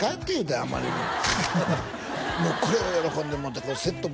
あんまりにももう「これを喜んでもろうて」「セットも」